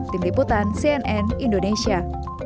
tim liputan cnn indonesia